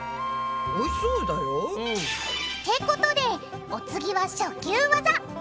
おいしそうだよ。ってことでお次は初級ワザ。